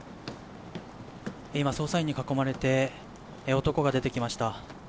今、捜査員に囲まれて男が出てきました。